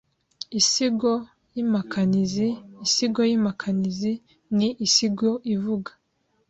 Iisigo y’impakanizi Iisigo y’impakanizi ni iisigo ivuga